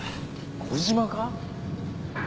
小島か？